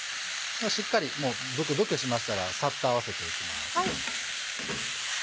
しっかりブクブクしましたらサッと合わせていきます。